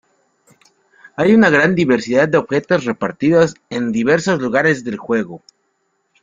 Hay una gran diversidad de objetos repartidos en diversos lugares del juego.